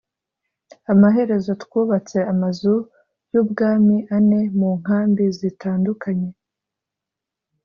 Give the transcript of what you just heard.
Amaherezo twubatse amazu y ubwami ane mu nkambi zitandukanye